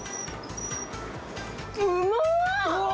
うまっ！